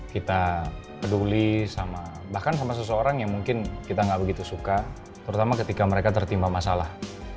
kita peduli sama bahkan sama seseorang yang mungkin kita nggak begitu suka terutama ketika mereka tertimpa masalah